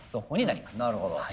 なるほど。